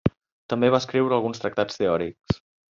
També va escriure alguns tractats teòrics.